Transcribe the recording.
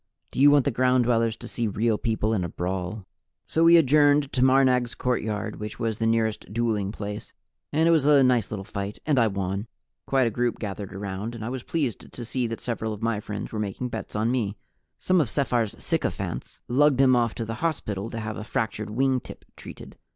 "Do you want the Ground Dwellers to see Real People in a brawl?" So we adjourned to Marnag's courtyard, which was the nearest dueling place, and it was a nice little fight, and I won. Quite a group gathered around, and I was pleased to see that several of my friends were making bets on me. Some of Sephar's sycophants lugged him off to the hospital to have a fractured wing tip treated.